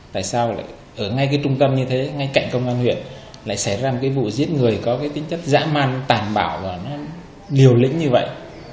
tại sao lại ở ngay cái trung tâm như thế ngay cạnh công an huyện lại xảy ra một cái vụ giết người có cái tính chất dã man tàn bạo và nó liều lĩnh như vậy